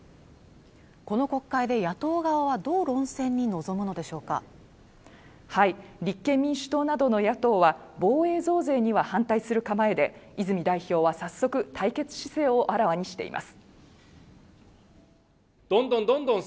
この国会で野党側はどう論戦に臨むのでしょうか立憲民主党などの野党は防衛増税には反対する構えで泉代表は早速対決姿勢をあらわにしています